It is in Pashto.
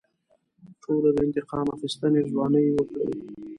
ټولو د انتقام اخیستنې ځوانۍ وکړې.